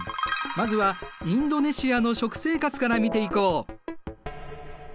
まずはインドネシアの食生活から見ていこう。